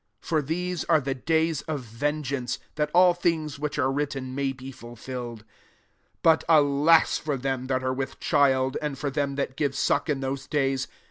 ££ For these are the days of vengeance ; that all things which are written may be fulfilled. £3 But alas for them that are with child, and for them that give suck in those days!